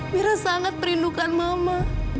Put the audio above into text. mama sangat merindukan mama